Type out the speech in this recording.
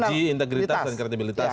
uji integritas dan kreatibilitas